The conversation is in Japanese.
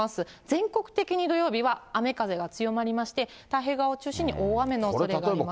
全国的に土曜日は雨風が強まりまして、太平洋側を中心に大雨のおそれがあります。